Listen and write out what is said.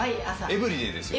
エブリデイですよ。